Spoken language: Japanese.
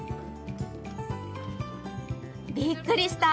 びっくりした！